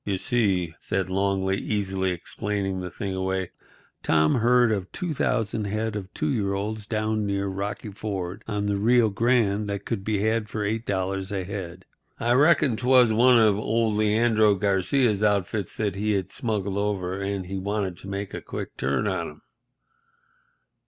"You see," said Longley, easily explaining the thing away, "Tom heard of 2000 head of two year olds down near Rocky Ford on the Rio Grande that could be had for $8 a head. I reckon 'twas one of old Leandro Garcia's outfits that he had smuggled over, and he wanted to make a quick turn on 'em.